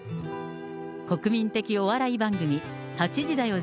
国民的お笑い番組、８時だョ！